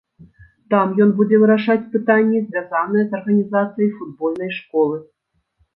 Там ён будзе вырашаць пытанні, звязаныя з арганізацыяй футбольнай школы.